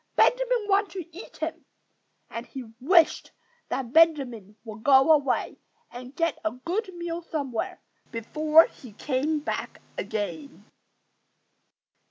Benjamin wanted to eat him! And he wished that Benjamin would go away and get a good meal somewhere before he came back again.